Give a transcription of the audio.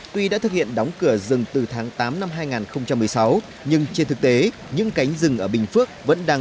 tuy đã thực hiện đóng cửa rừng từ tháng tám năm hai nghìn một mươi sáu nhưng trên thực tế những cánh rừng ở bình phước vẫn đang